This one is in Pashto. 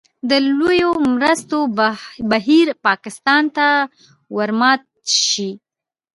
د لویو مرستو بهیر پاکستان ته ورمات شي.